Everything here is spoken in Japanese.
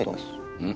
うん？